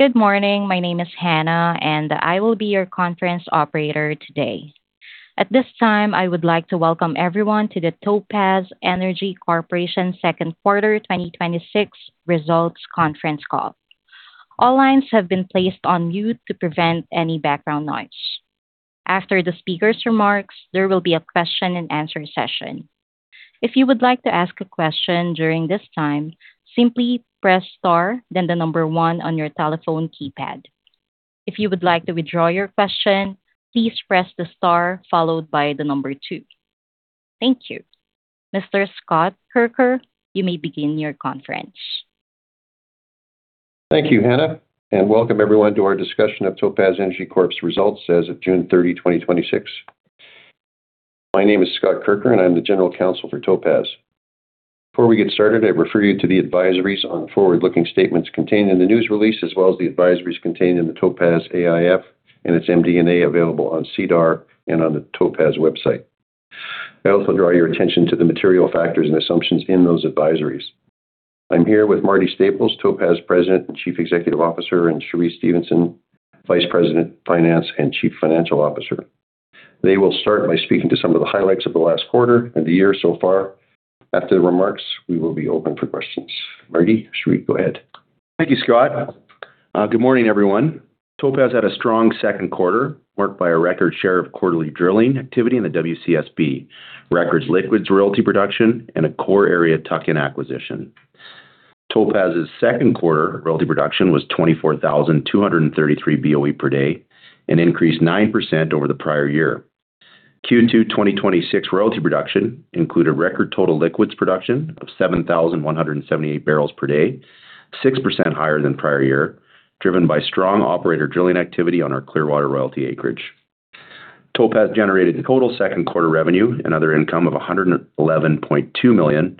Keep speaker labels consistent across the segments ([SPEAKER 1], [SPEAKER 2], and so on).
[SPEAKER 1] Good morning. My name is Hannah, and I will be your conference operator today. At this time, I would like to welcome everyone to the Topaz Energy Corporation second quarter 2026 results conference call. All lines have been placed on mute to prevent any background noise. After the speaker's remarks, there will be a question and answer session. If you would like to ask a question during this time, simply press star then the number one on your telephone keypad. If you would like to withdraw your question, please press the star followed by the number two. Thank you. Mr. Scott Kirker, you may begin your conference.
[SPEAKER 2] Thank you, Hannah. Welcome everyone to our discussion of Topaz Energy Corp's results as of June 30th, 2026. My name is Scott Kirker, and I'm the General Counsel for Topaz. Before we get started, I refer you to the advisories on the forward-looking statements contained in the news release as well as the advisories contained in the Topaz AIF and its MD&A available on SEDAR and on the Topaz website. I also draw your attention to the material factors and assumptions in those advisories. I'm here with Marty Staples, Topaz President and Chief Executive Officer, and Cheree Stephenson, Vice President, Finance and Chief Financial Officer. They will start by speaking to some of the highlights of the last quarter and the year so far. After the remarks, we will be open for questions. Marty, Cheree, go ahead.
[SPEAKER 3] Thank you, Scott. Good morning, everyone. Topaz had a strong second quarter marked by a record share of quarterly drilling activity in the WCSB, record liquids royalty production, and a core area tuck-in acquisition. Topaz's second quarter royalty production was 24,233 BOE per day and increased 9% over the prior year. Q2 2026 royalty production include a record total liquids production of 7,178 bpd, 6% higher than prior year, driven by strong operator drilling activity on our Clearwater royalty acreage. Topaz generated total second quarter revenue and other income of 111.2 million,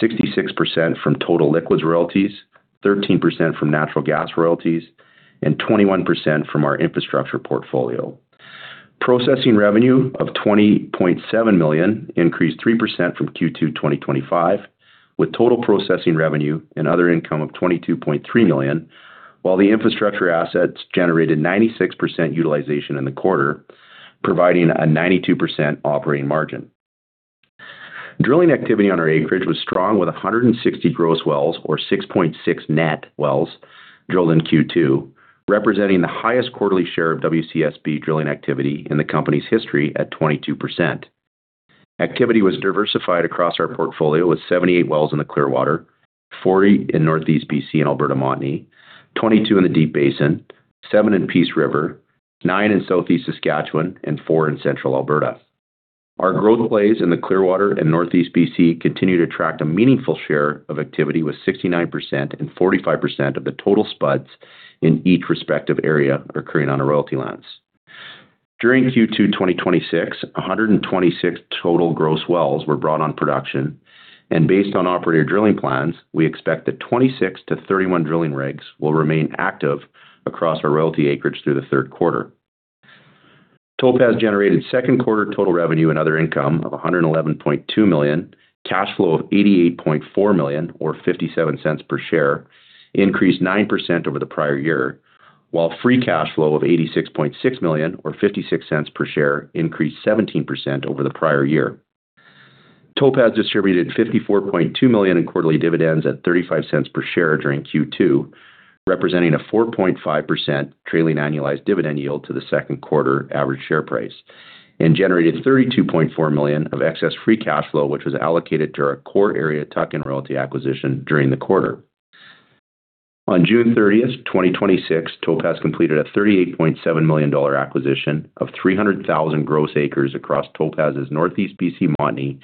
[SPEAKER 3] 66% from total liquids royalties, 13% from natural gas royalties, and 21% from our infrastructure portfolio. Processing revenue of 20.7 million increased 3% from Q2 2025, with total processing revenue and other income of 22.3 million, while the infrastructure assets generated 96% utilization in the quarter, providing a 92% operating margin. Drilling activity on our acreage was strong with 160 gross wells or 6.6 net wells drilled in Q2, representing the highest quarterly share of WCSB drilling activity in the company's history at 22%. Activity was diversified across our portfolio with 78 wells in the Clearwater, 40 in Northeast BC and Alberta Montney, 22 in the Deep Basin, seven in Peace River, nine in Southeast Saskatchewan, and four in Central Alberta. Our growth plays in the Clearwater and Northeast BC continue to attract a meaningful share of activity, with 69% and 45% of the total spuds in each respective area occurring on our royalty lands. During Q2 2026, 126 total gross wells were brought on production, and based on operator drilling plans, we expect that 26-31 drilling rigs will remain active across our royalty acreage through the third quarter. Topaz generated second quarter total revenue and other income of 111.2 million. Cash flow of 88.4 million or 0.57 per share increased 9% over the prior year, while free cash flow of 86.6 million or 0.56 per share increased 17% over the prior year. Topaz distributed 54.2 million in quarterly dividends at 0.35 per share during Q2, representing a 4.5% trailing annualized dividend yield to the second quarter average share price and generated 32.4 million of excess free cash flow, which was allocated to our core area tuck-in royalty acquisition during the quarter. On June 30th 2026, Topaz completed a 38.7 million dollar acquisition of 300,000 gross acres across Topaz's Northeast BC Montney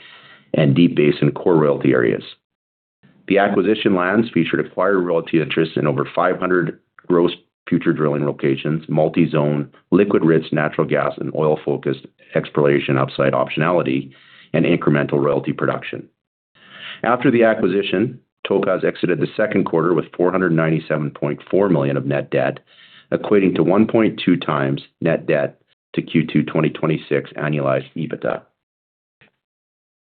[SPEAKER 3] and Deep Basin core royalty areas. The acquisition lands featured acquired royalty interests in over 500 gross future drilling locations, multi-zone liquid-rich natural gas, and oil-focused exploration upside optionality and incremental royalty production. After the acquisition, Topaz exited the second quarter with 497.4 million of net debt, equating to 1.2x net debt to Q2 2026 annualized EBITDA.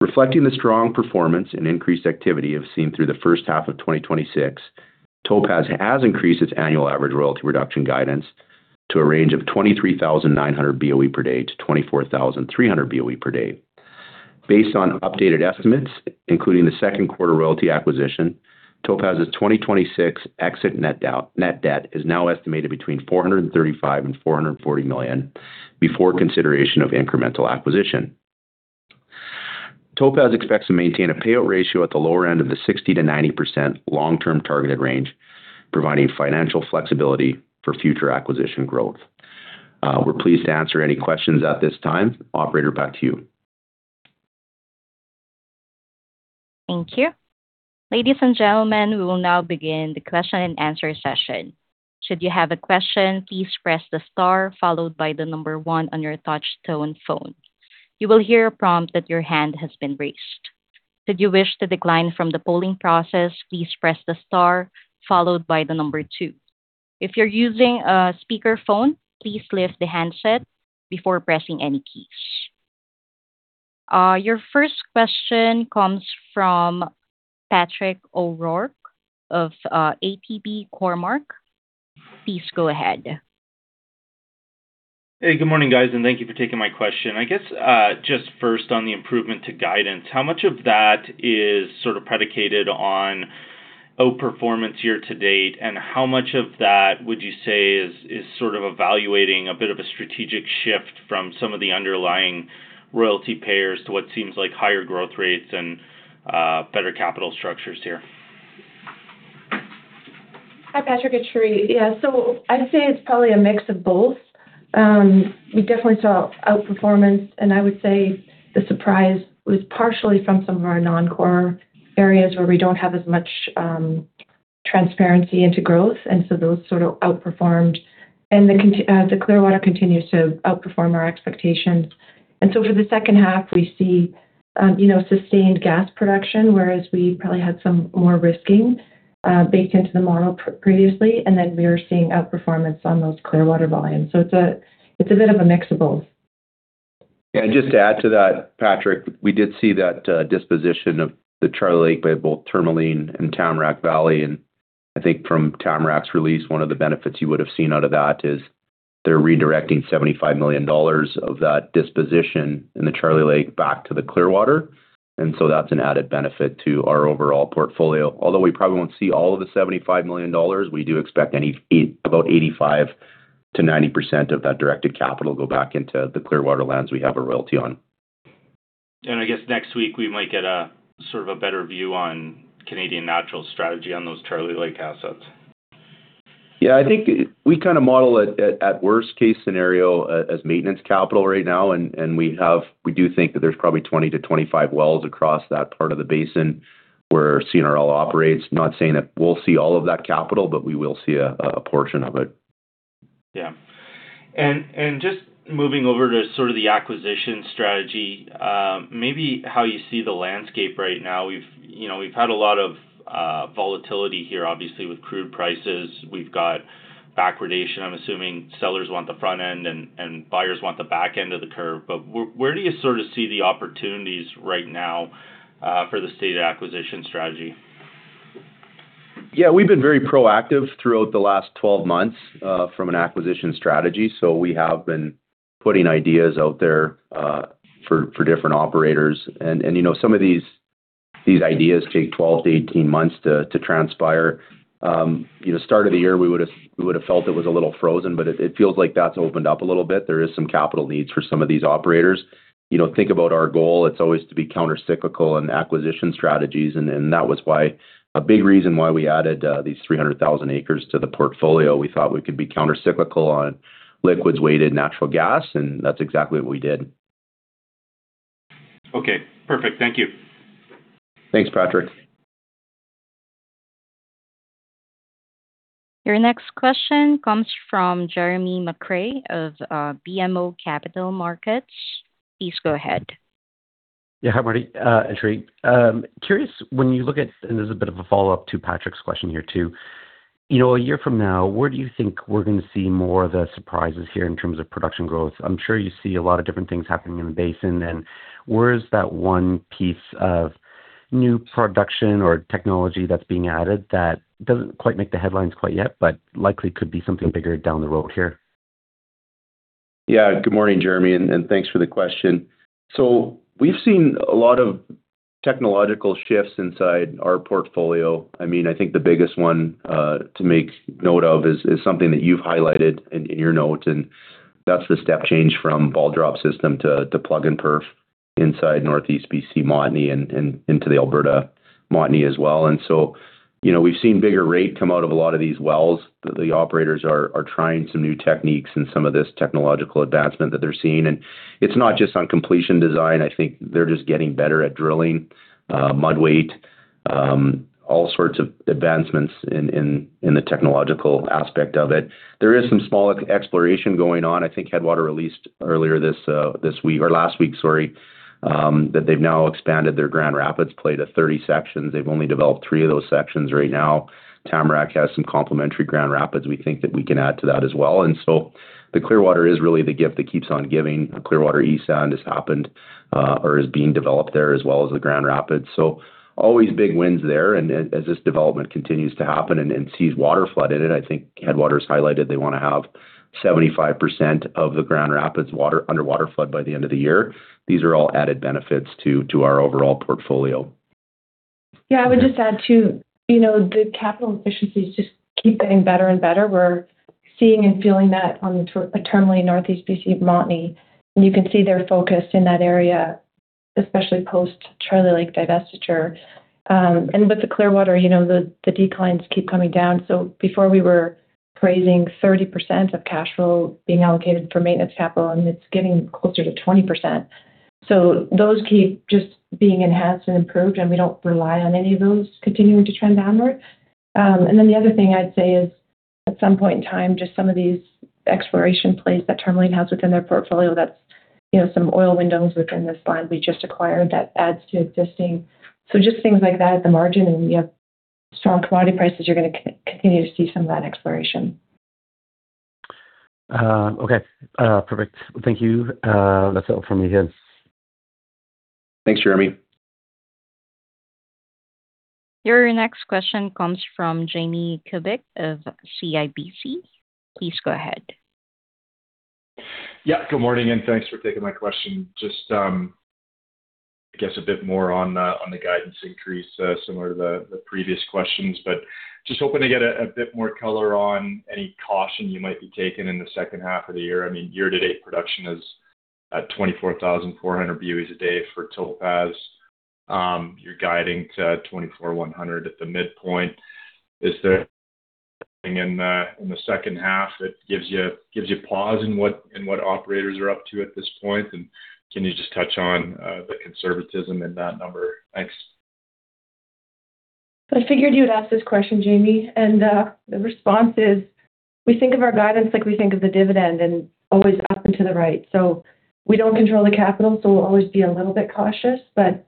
[SPEAKER 3] Reflecting the strong performance and increased activity we've seen through the first half of 2026, Topaz has increased its annual average royalty production guidance to a range of 23,900 BOE per day to 24,300 BOE per day. Based on updated estimates, including the second quarter royalty acquisition, Topaz's 2026 exit net debt is now estimated between 435 million and 440 million, before consideration of incremental acquisition. Topaz expects to maintain a payout ratio at the lower end of the 60%-90% long-term targeted range, providing financial flexibility for future acquisition growth. We're pleased to answer any questions at this time. Operator, back to you.
[SPEAKER 1] Thank you. Ladies and gentlemen, we will now begin the question and answer session. Should you have a question, please press the star followed by the number one on your touch tone phone. You will hear a prompt that your hand has been raised. Should you wish to decline from the polling process, please press the star followed by the number two. If you're using a speakerphone, please lift the handset before pressing any keys. Your first question comes from Patrick O'Rourke of ATB Capital Markets. Please go ahead.
[SPEAKER 4] Hey, good morning, guys, and thank you for taking my question. I guess, just first on the improvement to guidance, how much of that is sort of predicated on outperformance year-to-date, and how much of that would you say is sort of evaluating a bit of a strategic shift from some of the underlying royalty payers to what seems like higher growth rates and better capital structures here?
[SPEAKER 5] Hi, Patrick. It's Cheree. Yeah. I'd say it's probably a mix of both. We definitely saw outperformance, and I would say the surprise was partially from some of our non-core areas where we don't have as much transparency into growth, those sort of outperformed. The Clearwater continues to outperform our expectations. For the second half, we see sustained gas production, whereas we probably had some more risking baked into the model previously, we are seeing outperformance on those Clearwater volumes. It's a bit of a mix of both.
[SPEAKER 3] Yeah, just to add to that, Patrick, we did see that disposition of the Charlie Lake by both Tourmaline and Tamarack Valley. I think from Tamarack's release, one of the benefits you would have seen out of that is they're redirecting 75 million dollars of that disposition in the Charlie Lake back to the Clearwater. That's an added benefit to our overall portfolio. Although we probably won't see all of the 75 million dollars, we do expect about 85%-90% of that directed capital go back into the Clearwater lands we have a royalty on.
[SPEAKER 4] I guess next week we might get a sort of a better view on Canadian Natural's strategy on those Charlie Lake assets.
[SPEAKER 3] I think we kind of model it at worst-case scenario as maintenance capital right now, and we do think that there's probably 20-25 wells across that part of the basin where CNRL operates. Not saying that we'll see all of that capital, but we will see a portion of it.
[SPEAKER 4] Just moving over to sort of the acquisition strategy, maybe how you see the landscape right now. We've had a lot of volatility here, obviously, with crude prices. We've got backwardation. I'm assuming sellers want the front end and buyers want the back end of the curve. Where do you sort of see the opportunities right now for the stated acquisition strategy?
[SPEAKER 3] We've been very proactive throughout the last 12 months, from an acquisition strategy. We have been putting ideas out there for different operators, and some of these ideas take 12-18 months to transpire. Start of the year, we would've felt it was a little frozen, it feels like that's opened up a little bit. There is some capital needs for some of these operators. Think about our goal, it's always to be counter-cyclical in the acquisition strategies, and that was a big reason why we added these 300,000 acres to the portfolio. We thought we could be counter-cyclical on liquids-weighted natural gas, and that's exactly what we did.
[SPEAKER 4] Okay. Perfect. Thank you.
[SPEAKER 3] Thanks, Patrick.
[SPEAKER 1] Your next question comes from Jeremy McCrea of BMO Capital Markets. Please go ahead.
[SPEAKER 6] Hi, Marty and Cheree. Curious. This is a bit of a follow-up to Patrick's question here, too. A year from now, where do you think we're going to see more of the surprises here in terms of production growth? I'm sure you see a lot of different things happening in the basin. Where is that one piece of new production or technology that's being added that doesn't quite make the headlines quite yet, but likely could be something bigger down the road here?
[SPEAKER 3] Good morning, Jeremy, thanks for the question. We've seen a lot of technological shifts inside our portfolio. I think the biggest one to make note of is something that you've highlighted in your notes, and that's the step change from ball-drop system to plug-and-perf inside Northeast B.C. Montney and into the Alberta Montney as well. We've seen bigger rate come out of a lot of these wells. The operators are trying some new techniques and some of this technological advancement that they're seeing. It's not just on completion design. I think they're just getting better at drilling, mud weight, all sorts of advancements in the technological aspect of it. There is some small exploration going on. I think Headwater released earlier this week, or last week, sorry, that they've now expanded their Grand Rapids play to 30 sections. They've only developed three of those sections right now. Tamarack has some complementary Grand Rapids we think that we can add to that as well. The Clearwater is really the gift that keeps on giving. Clearwater East End has happened, or is being developed there, as well as the Grand Rapids. Always big wins there and as this development continues to happen and sees underwaterflood in it, I think Headwater's highlighted they want to have 75% of the Grand Rapids underwaterflood by the end of the year. These are all added benefits to our overall portfolio.
[SPEAKER 5] Yeah. I would just add, too, the capital efficiencies just keep getting better and better. We're seeing and feeling that on the Tourmaline Northeast B.C. Montney, and you can see their focus in that area, especially post Charlie Lake divestiture. With the Clearwater, the declines keep coming down. Before we were praising 30% of cash flow being allocated for maintenance capital, and it's getting closer to 20%. Those keep just being enhanced and improved, and we don't rely on any of those continuing to trend downward. Then the other thing I'd say is, at some point in time just some of these exploration plays that Tourmaline has within their portfolio that's some oil windows within this land we just acquired that adds to existing. Just things like that at the margin, and we have strong commodity prices, you're going to continue to see some of that exploration.
[SPEAKER 6] Okay. Perfect. Thank you. That's all from me here.
[SPEAKER 3] Thanks, Jeremy.
[SPEAKER 1] Your next question comes from Jamie Kubik of CIBC. Please go ahead.
[SPEAKER 7] Yeah, good morning. Thanks for taking my question. I guess a bit more on the guidance increase, similar to the previous questions. Just hoping to get a bit more color on any caution you might be taking in the second half of the year. Year to date, production is at 24,400 BOEs a day for Topaz. You're guiding to 24,100 at the midpoint. Is there anything in the second half that gives you pause in what operators are up to at this point? Can you just touch on the conservatism in that number? Thanks.
[SPEAKER 5] I figured you'd ask this question, Jamie. The response is, we think of our guidance like we think of the dividend, and always up and to the right. We don't control the capital, so we'll always be a little bit cautious, but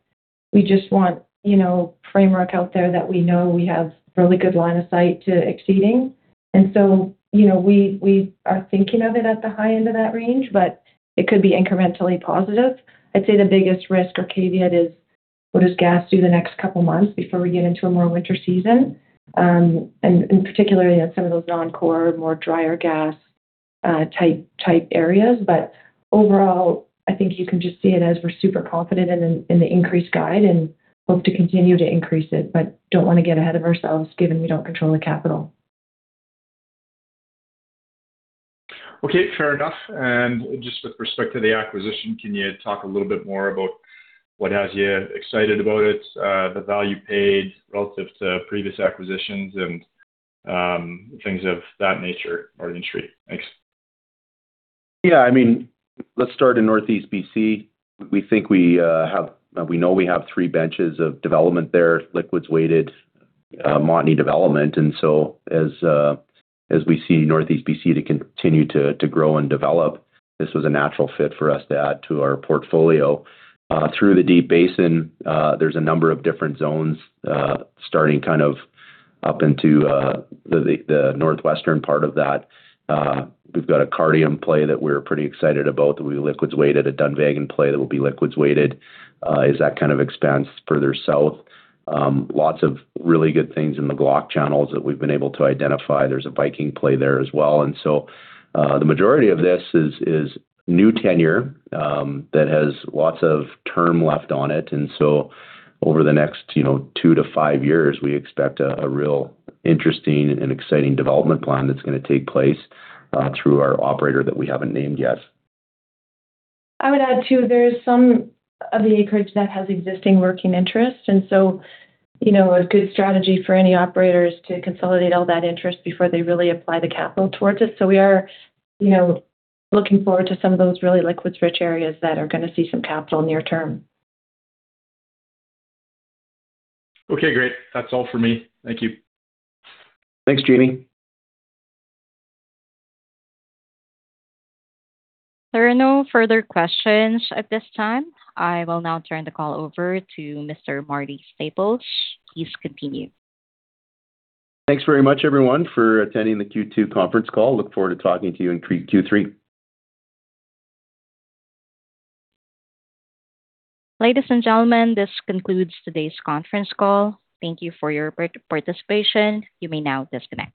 [SPEAKER 5] we just want framework out there that we know we have really good line of sight to exceeding. We are thinking of it at the high end of that range, but it could be incrementally positive. I'd say the biggest risk or caveat is, what does gas do the next couple of months before we get into a more winter season? Particularly in some of those non-core, more drier gas type areas. Overall, I think you can just see it as we're super confident in the increased guide and hope to continue to increase it. But don't want to get ahead of ourselves, given we don't control the capital.
[SPEAKER 7] Okay, fair enough. Just with respect to the acquisition, can you talk a little bit more about what has you excited about it, the value paid relative to previous acquisitions, and things of that nature? Margins. Thanks.
[SPEAKER 3] Yeah. Let's start in Northeast BC. We know we have three benches of development there, liquids-weighted Montney development. As we see Northeast BC to continue to grow and develop, this was a natural fit for us to add to our portfolio. Through the Deep Basin, there's a number of different zones, starting up into the northwestern part of that. We've got a Cardium play that we're pretty excited about that will be liquids-weighted, a Dunvegan play that will be liquids-weighted, is that kind of expanse further south. Lots of really good things in the Glauconite that we've been able to identify. There's a Viking play there as well. The majority of this is new tenure that has lots of term left on it. Over the next two to five years, we expect a real interesting and exciting development plan that's going to take place through our operator that we haven't named yet.
[SPEAKER 5] I would add, too, there is some of the acreage that has existing working interest. A good strategy for any operator is to consolidate all that interest before they really apply the capital towards it. We are looking forward to some of those really liquids-rich areas that are going to see some capital near term.
[SPEAKER 7] Okay, great. That's all for me. Thank you.
[SPEAKER 3] Thanks, Jamie.
[SPEAKER 1] There are no further questions at this time. I will now turn the call over to Mr. Marty Staples. Please continue.
[SPEAKER 3] Thanks very much, everyone, for attending the Q2 conference call. Look forward to talking to you in Q3.
[SPEAKER 1] Ladies and gentlemen, this concludes today's conference call. Thank you for your participation. You may now disconnect.